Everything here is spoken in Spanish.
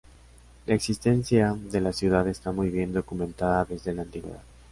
La existencia de la ciudad está muy bien documentada desde la antigüedad.